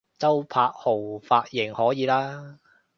周柏豪髮型可以喇